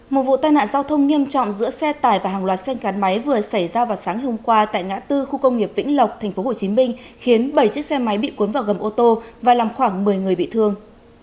một vụ tai nạn giao thông nghiêm trọng giữa xe tải và hàng loạt xe gắn máy vừa xảy ra vào sáng hôm qua tại ngã tư khu công nghiệp vĩnh lộc tp hcm khiến bảy chiếc xe máy bị cuốn vào gầm ô tô và làm khoảng một mươi người bị thương